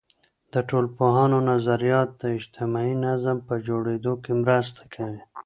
د ټولنپوهانو نظریات د اجتماعي نظم په جوړیدو کي مرسته کوي.